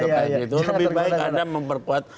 lebih baik anda memperkuat